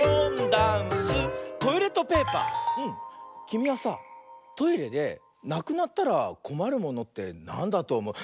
きみはさトイレでなくなったらこまるものってなんだとおもう？